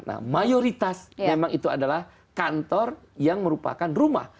nah mayoritas memang itu adalah kantor yang merupakan rumah